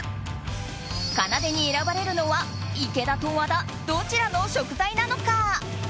かなでに選ばれるのは池田と和田、どちらの食材なのか。